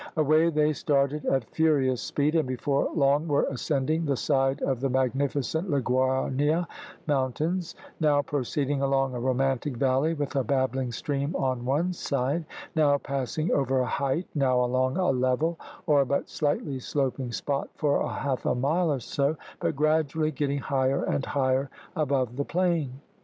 Away they started at furious speed, and before long were ascending the side of the magnificent Liguania mountains; now proceeding along a romantic valley, with a babbling stream on one side; now passing over a height; now along a level, or but slightly sloping spot for half a mile or so, but gradually getting higher and higher above the plain.